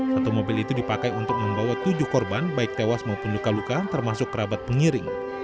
satu mobil itu dipakai untuk membawa tujuh korban baik tewas maupun luka luka termasuk kerabat pengiring